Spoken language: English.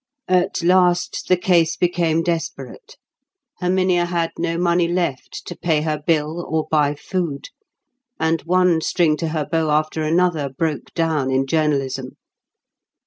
At last the case became desperate. Herminia had no money left to pay her bill or buy food; and one string to her bow after another broke down in journalism.